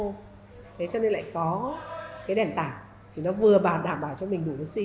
thế cho nên lại có cái đèn tạo thì nó vừa đảm bảo cho mình đủ oxy